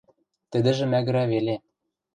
Тӹдӹжӹ мӓгӹрӓ веле.